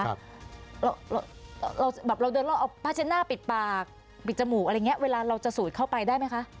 เราเอาผ้าเช็ดหน้าปิดปากปิดจมูกอะไรเงี้ยเวลาเราจะสูดเข้าไปได้ไหมคะ